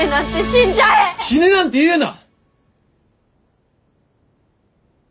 死ねなんて言うな！